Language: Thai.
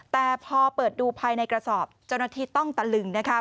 แต่พอเปิดดูภายในกระสอบเจ้าหน้าที่ต้องตะลึงนะคะ